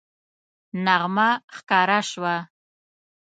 نغمه ښکاره شوه